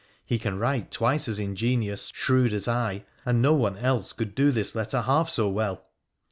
He can write twice as ingenious, shrewd as I, and no one else could do this letter half so well.